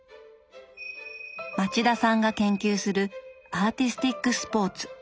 町田さんが研究するアーティスティックスポーツ。